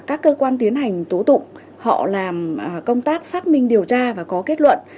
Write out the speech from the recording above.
các cơ quan tiến hành tố tụng họ làm công tác xác minh điều tra và có kết luận